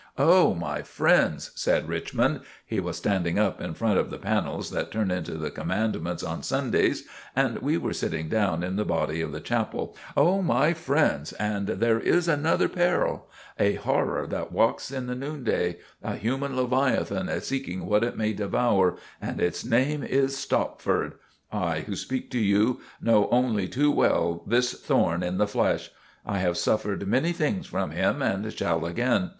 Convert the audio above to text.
"Oh, my friends," said Richmond—he was standing up in front of the panels that turn into the Commandments on Sundays, and we were sitting down in the body of the chapel—"Oh, my friends, and there is another peril—a horror that walks in the noonday—a human leviathan seeking what it may devour, and its name is Stopford! I who speak to you know only too well this thorn in the flesh. I have suffered many things from him, and shall again.